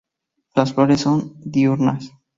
Las flores son diurnas.